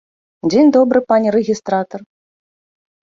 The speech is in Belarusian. Дзень добры, пане рэгістратар!